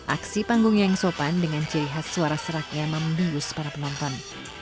aksi panggung yang sopan dengan ciri khas suara seraknya membius para penonton